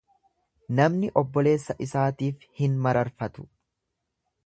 Namni obboleessa isaatiif hin mararfatu.